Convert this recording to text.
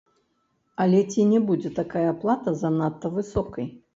Але ці не будзе такая плата занадта высокай?